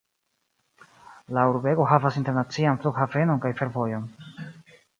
La urbego havas internacian flughavenon kaj fervojon.